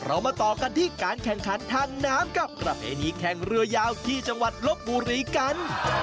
มาต่อกันที่การแข่งขันทางน้ำกับประเพณีแข่งเรือยาวที่จังหวัดลบบุรีกัน